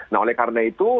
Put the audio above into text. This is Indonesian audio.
nah oleh karena itu